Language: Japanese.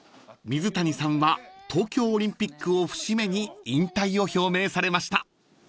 ［水谷さんは東京オリンピックを節目に引退を表明されました］